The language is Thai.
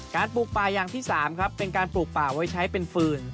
ปลูกป่าอย่างที่๓ครับเป็นการปลูกป่าไว้ใช้เป็นฟืน